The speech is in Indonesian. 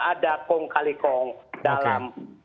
ada kong kali kong dalam